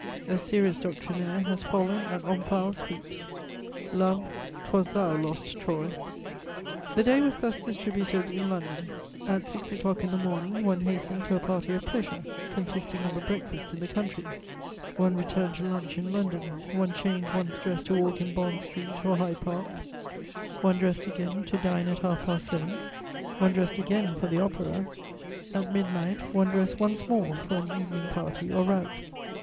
A serious doctrinaire has fallen at Omphale's feet: "Love, 'twas thou lost Troy." The day was thus distributed in London: at six o'clock in the morning, one hastened to a party of pleasure, consisting of a breakfast in the country; one returned to lunch in London; one changed one's dress to walk in Bond Street or Hyde Park; one dressed again to dine at half past seven; one dressed again for the Opera; at midnight, one dressed once more for an evening party or rout.